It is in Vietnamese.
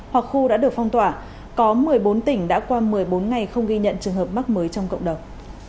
hoặc khu đã được phong tỏa có một mươi bốn tỉnh đã qua một mươi bốn ngày không ghi nhận trường hợp mắc mới trong cộng đồng